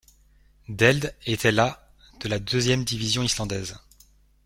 Deild était la de la deuxième division islandaise.